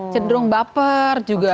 cenderung baper juga